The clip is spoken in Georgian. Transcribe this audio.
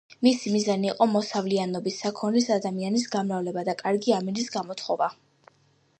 მისი მიზანი იყო მოსავლიანობის, საქონლის, ადამიანის გამრავლება და კარგი ამინდის გამოთხოვა.